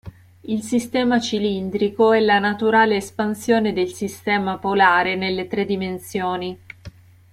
Il sistema cilindrico è la naturale espansione del sistema polare nelle tre dimensioni.